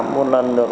một lần được